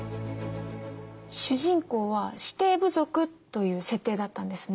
主人公は指定部族という設定だったんですね。